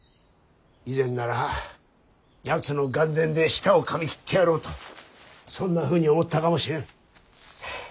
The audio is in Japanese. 以前ならやつの眼前で舌をかみ切ってやろうとそんなふうに思ったかもしれん。